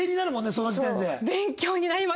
その時点で。